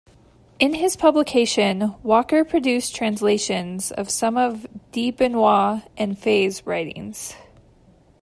In his publication, Walker produced translations of some of De Benoit and Faye's writings.